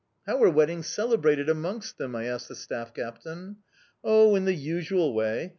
"How are weddings celebrated amongst them?" I asked the staff captain. "Oh, in the usual way.